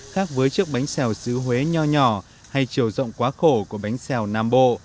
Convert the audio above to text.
khác với chiếc bánh xèo xứ huế nho nhỏ hay chiều rộng quá khổ của bánh xèo nam bộ